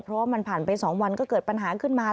เพราะว่ามันผ่านไป๒วันก็เกิดปัญหาขึ้นมา